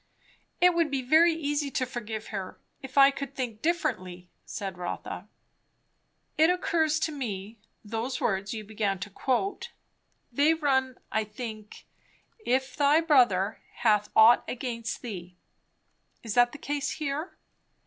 "It would be very easy to forgive her, if I could think differently," said Rotha. "It occurs to me Those words you began to quote, they run, I think, 'If thy brother hath ought against thee.' Is that the case here?"